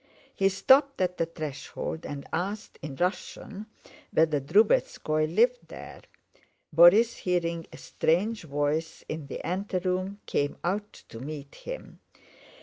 He stopped at the threshold and asked in Russian whether Drubetskóy lived there. Borís, hearing a strange voice in the anteroom, came out to meet him.